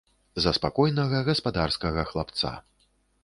За спакойнага гаспадарскага хлапца.